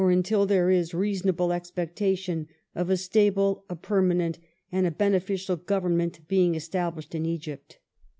. until there is reasonable expectation — of a stable, a permanent, and a beneficial Government being established in Egypt."